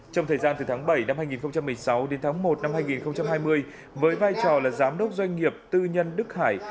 trong thời gian từ tháng bảy năm hai nghìn một mươi sáu đến tháng một năm hai nghìn hai mươi với vai trò là giám đốc doanh nghiệp tư nhân đức hải